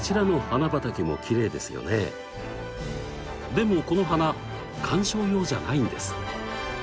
でもこの花観賞用じゃないんです。